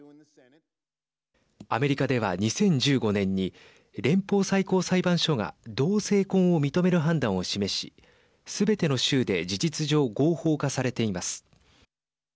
アメリカでは２０１５年に連邦最高裁判所が同性婚を認める判断を示しすべての州で事実上合法化されています。